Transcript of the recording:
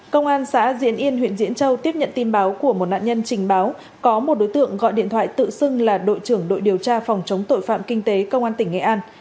công an xã diễn yên huyện diễn châu tiếp nhận tin báo của một nạn nhân trình báo có một đối tượng gọi điện thoại tự xưng là đội trưởng đội điều tra phòng chống tội phạm kinh tế công an tỉnh nghệ an